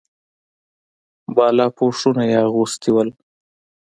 بالاپوشونه یې اغوستي وو.